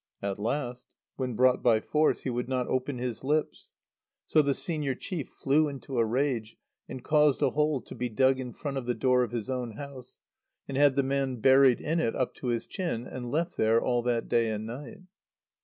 At last, when brought by force, he would not open his lips. So the senior chief flew into a rage, and caused a hole to be dug in front of the door of his own house, and had the man buried in it up to his chin, and left there all that day and night.